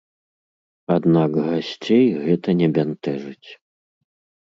Аднак гасцей гэта не бянтэжыць.